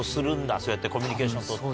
そうやってコミュニケーション取って。